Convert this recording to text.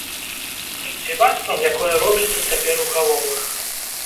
Тым дзівацтвам, якое робіцца цяпер у галовах.